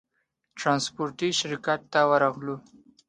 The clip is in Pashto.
ترانسپورټي شرکت ته ورغلو.